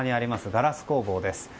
ガラス工房です。